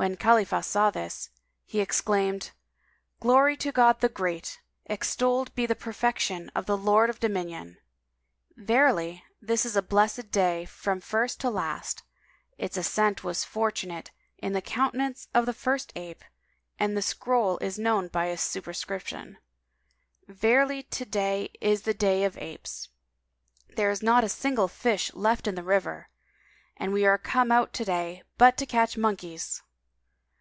When Khalifah saw this, he exclaimed, "Glory to God the Great! Extolled be the perfection of the Lord of Dominion! Verily, this is a blessed day from first to last: its ascendant was fortunate in the countenance of the first ape, and the scroll [FN#192] is known by its superscription! Verily, to day is a day of apes: there is not a single fish left in the river, and we are come out to day but to catch monkeys!"